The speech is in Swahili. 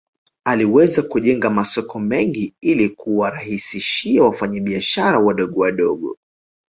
Aliweza kujenga masoko mengi ili kuwarahisishia wafanya biashara wadogo wadogo